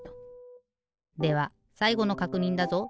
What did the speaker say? ではさいごのかくにんだぞ。